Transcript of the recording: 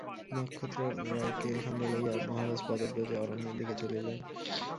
নক্ষত্ররায়কে সঙ্গে লইয়া মহারাজ পদব্রজে অরণ্যের দিকে চলিলেন।